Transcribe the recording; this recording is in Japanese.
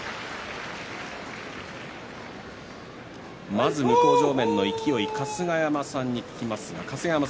まず向正面の勢春日山さんに聞きます。